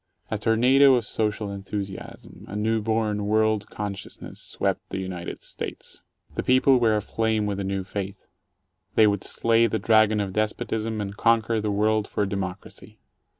A tornado of social enthusiasm, a new born world consciousness, swept the United States. The people were aflame with a new faith; they would slay the Dragon of Despotism, and conquer the world for democracy.